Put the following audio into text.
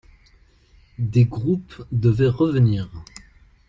Des groupes devaient revenir.